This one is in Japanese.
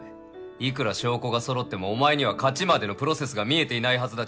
いくら証拠が揃ってもお前には勝ちまでのプロセスが見えてないはずだ。